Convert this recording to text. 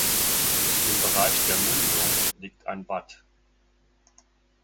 Im Bereich der Mündung liegt ein Watt.